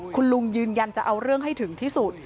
คุณลุงยืนยันจะเอาเรื่องให้ถึงที่สุด